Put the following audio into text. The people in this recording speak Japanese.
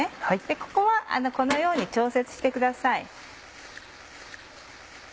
ここはこのように調節してください。